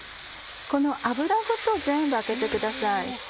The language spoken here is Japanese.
この脂ごと全部あけてください。